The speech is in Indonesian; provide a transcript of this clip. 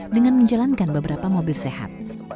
dengan menjalankan beberapa mobil sehat